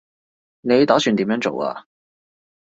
你打算點樣做啊